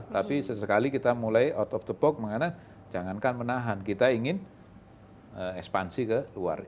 tapi sesekali kita mulai out of the box mengenai jangankan menahan kita ingin ekspansi ke luar